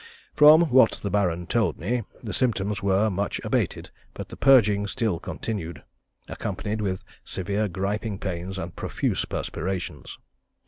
From what the Baron told me, the symptoms were much abated, but the purging still continued, accompanied with severe griping pains and profuse perspirations.